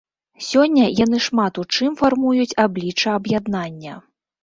Сёння яны шмат у чым фармуюць аблічча аб'яднання.